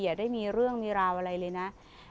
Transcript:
อย่าได้มีเรื่องมีราวอะไรเลยนะ